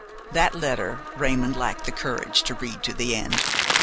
That letter Raymon lacked the courage to read to the end.